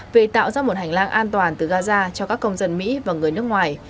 về tạo ra một hành lang an toàn từ gaza cho các công dân mỹ và người nước ngoài